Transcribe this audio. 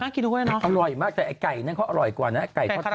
น่ากินครัวเนอะค่ะอร่อยมากแต่ไข่นั่นก็อร่อยกว่านอนนะ